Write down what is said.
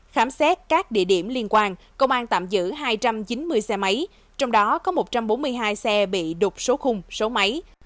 khám xét các địa điểm liên quan công an tạm giữ hai trăm chín mươi xe máy trong đó có một trăm bốn mươi hai xe bị đục số khung số máy